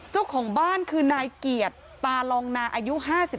เจ้าของบ้านคือนายเกียรติตาลองนาอายุ๕๓